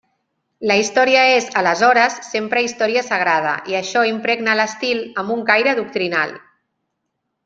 La història és, aleshores, sempre història sagrada i això impregna l'estil, amb un caire doctrinal.